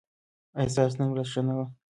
ایا ستاسو نن ورځ ښه نه وه؟